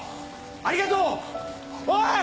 ありがとう！おい！